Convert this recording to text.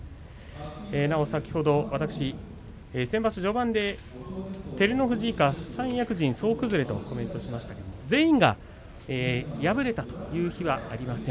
なお先ほど私、先場所序盤で照ノ富士以下三役陣総崩れとコメントしましたが全員が敗れたという日はありません。